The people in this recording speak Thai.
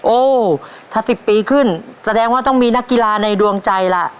โอ้ถ้า๑๐ปีขึ้นแสดงว่าต้องมีนักกีฬาในดวงใจล่ะ